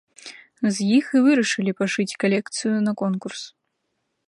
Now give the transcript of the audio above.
З іх і вырашылі пашыць калекцыю на конкурс.